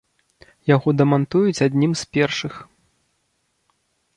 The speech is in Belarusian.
Яго дамантуюць адным з першых.